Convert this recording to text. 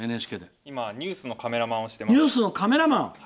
今、ニュースのカメラマンをしています。